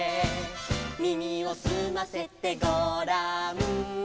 「耳をすませてごらん」